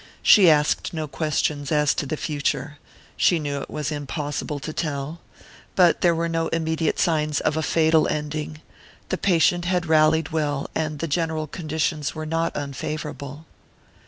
She asked no questions as to the future she knew it was impossible to tell. But there were no immediate signs of a fatal ending: the patient had rallied well, and the general conditions were not unfavourable.